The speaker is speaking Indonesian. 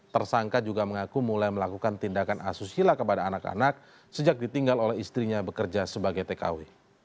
tersangka juga mengaku mulai melakukan tindakan asusila kepada anak anak sejak ditinggal oleh istrinya bekerja sebagai tkw